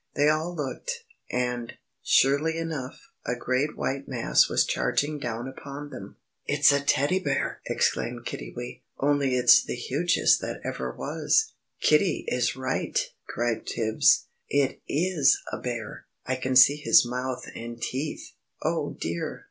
They all looked. And, surely enough, a great white mass was charging down upon them. "It's a Teddy Bear!" exclaimed Kiddiwee, "only it's the hugestest that ever was." "Kiddi is right!" cried Tibbs. "It is a bear, I can see his mouth and teeth." "Oh, dear!